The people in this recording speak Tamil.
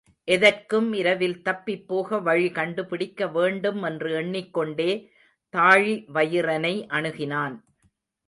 எதற்கும் இரவில் தப்பிப்போக வழி கண்டுபிடிக்க வேண்டும் என்று எண்ணிக் கொண்டே தாழிவயிறனை அணுகினான்.